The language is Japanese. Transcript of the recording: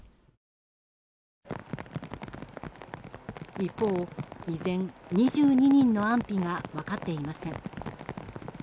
一方、依然２２人の安否が分かっていません。